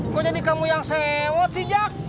kok jadi kamu yang sewot sih jak